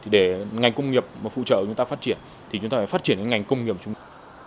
để ngành công nghiệp phụ trợ chúng ta phát triển thì chúng ta phải phát triển ngành công nghiệp của chúng ta